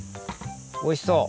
おいしそう！